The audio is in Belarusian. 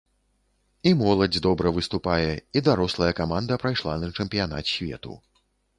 І моладзь добра выступае, і дарослая каманда прайшла на чэмпіянат свету.